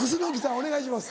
お願いします。